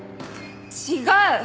違う！